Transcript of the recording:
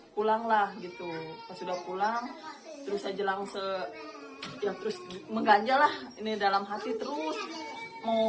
pulanglah gitu sudah pulang terus aja langsung ya terus mengganjalah ini dalam hati terus mau